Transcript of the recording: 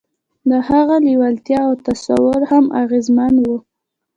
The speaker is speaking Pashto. د هغه لېوالتیا او تصور هم اغېزمن وو